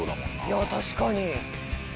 いや確かに。